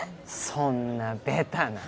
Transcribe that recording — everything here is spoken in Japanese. そんなベタな。